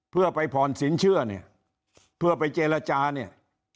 เพื่อไปผ่อนสินเชื่อเนี่ยเพื่อไปเจรจาเนี่ย